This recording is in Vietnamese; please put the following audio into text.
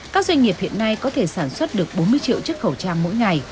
các doanh nghiệp hiện nay có thể sản xuất được bốn mươi triệu chiếc khẩu trang mỗi ngày